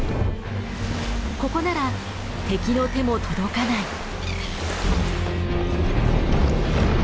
ここなら敵の手も届かない。